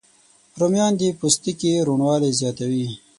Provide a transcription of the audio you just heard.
رومیان د پوستکي روڼوالی زیاتوي